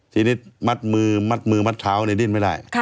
ทีนี้มัดมือมัดเท้านี่ดิ้นไม่ได้